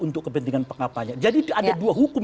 untuk kepentingan pengapanya jadi ada dua hukum